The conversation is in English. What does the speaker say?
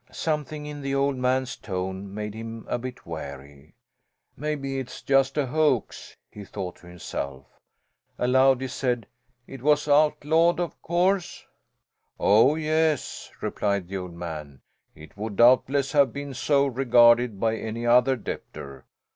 Something in the old man's tone made him a bit wary. "Maybe it's just a hoax," he thought to himself. Aloud he said, "it was outlawed, of course?" "Oh, yes," replied the old man, "it would doubtless have been so regarded by any other debtor.